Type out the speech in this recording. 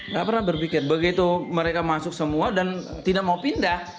gak pernah berpikir begitu mereka masuk semua dan tidak mau pindah